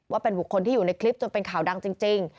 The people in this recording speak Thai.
ว่าเป็นบุคคลที่อยู่ในคลิปจนเป็นข่าวดังจริง